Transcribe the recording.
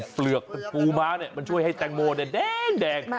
เปลี่ยกปูม้าเนี่ยมันช่วยให้แตงโมแดง